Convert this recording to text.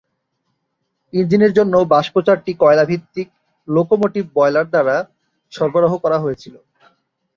ইঞ্জিনের জন্য বাষ্প চারটি কয়লা ভিত্তিক লোকোমোটিভ বয়লার দ্বারা সরবরাহ করা হয়েছিল।